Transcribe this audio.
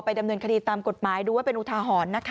ไปดำเนินคดีตามกฎหมายดูว่าเป็นอุทาหรณ์